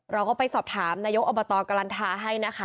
เราก็ไปสอบถามนายกอบตกลันทาให้นะคะ